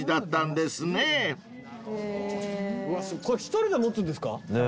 これ一人で持つんですか！